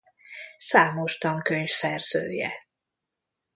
Számos tankönyv szerzője.